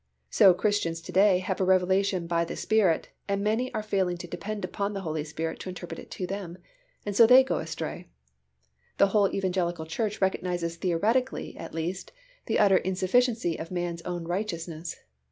So Christians to day have a revelation by the Spirit and many are failing to depend upon the Holy Spirit to interpret it to them and so they go astray. The whole evangelical church recognizes theoretically at least the utter insufficiency of man's own righteousness.